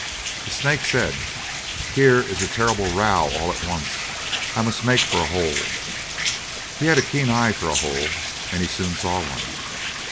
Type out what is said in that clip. The snake said, "Here is a terrible row all at once, I must make for a hole." He had a keen eye for a hole, and he soon saw one.